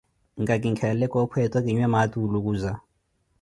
Nka kinkelele coopho eto, kinwe maati oolukuza.